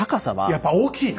やっぱ大きいな。